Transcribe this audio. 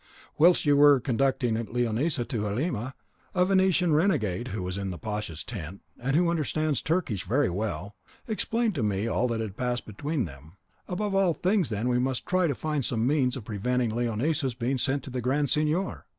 Whilst you were conducting Leonisa to Halima, a Venetian renegade who was in the pasha's tent, and who understands Turkish very well, explained to me all that had passed between them. Above all things, then, we must try to find some means of preventing Leonisa's being sent to the Grand Signor."